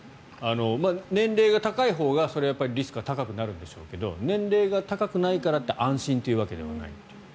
年齢が高いほうが、それはリスクが高くなるんでしょうけど年齢が高くないからって安心というわけではないという。